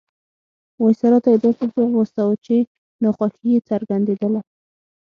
وایسرا ته یې داسې ځواب واستاوه چې ناخوښي یې څرګندېدله.